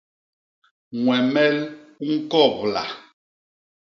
Ñwemel u ñkobla.